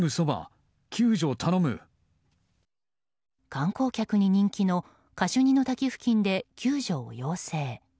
観光客に人気のカシュニの滝付近で救助を要請。